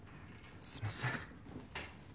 すいませんっ。